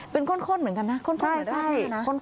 เป็นข้นเหมือนกันนะข้นแบบนี้นะนะนะ